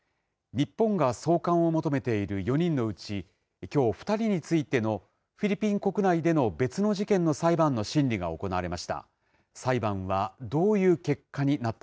日本が送還を求めている４人のうち、きょう２人についてのフィリピン国内での別の事件の裁判の審理が行われました。